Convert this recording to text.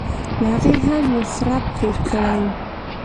له هغې هم یو خرپ تېر کړي.